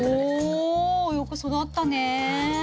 およく育ったね。